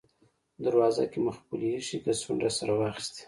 دروازه کې مو خپلې اېښې کڅوړې راسره واخیستې.